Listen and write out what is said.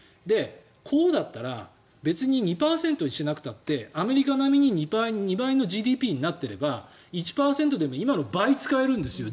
こうだったら別に２％にしなくたってアメリカ並みに２倍のＧＤＰになっていれば１％でも今の倍使えるんですよ